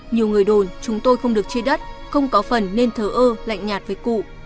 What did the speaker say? nhiều người đồn chúng tôi không được chê đất không có phần nên thờ ơ lạnh nhạt với cụ